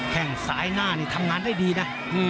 แค่งสายหน้านี่ทำงานได้ดีนะ